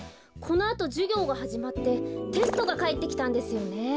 このあとじゅぎょうがはじまってテストがかえってきたんですよね。